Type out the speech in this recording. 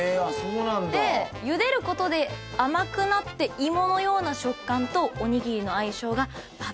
でゆでることで甘くなって芋のような食感とおにぎりの相性がばっちりなんだとか。